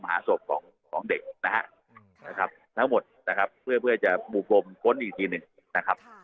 หาศพของเด็กนะครับทั้งหมดนะครับเพื่อจะหมู่กรมค้นอีกทีหนึ่งนะครับ